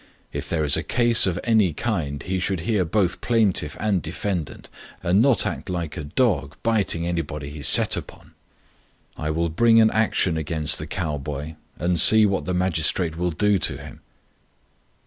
If there is a case of any kind, he should hear both plaintiff and defendant, and not act like a dog, biting anybody he is set upon. I will bring an action against the cow boy, FROM A CHINESE STUDIO. 5^ and see what the magistrate will do to him.